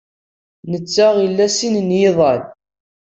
Netta ila sin n yiḍan.